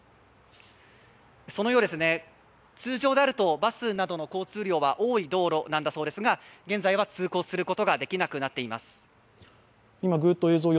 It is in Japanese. そのようですね、通常であるとバスなどの交通量が多い道路だそうですが現在は通行することができなくなっています。